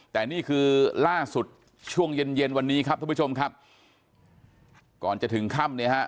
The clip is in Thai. แต่นี่คือล่าสุดช่วงเย็นเย็นวันนี้ครับท่านผู้ชมครับก่อนจะถึงค่ำเนี่ยฮะ